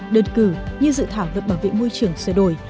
đơn cử như dự thảo luật bảo vệ môi trường sửa đổi